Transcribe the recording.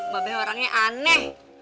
babeh orangnya aneh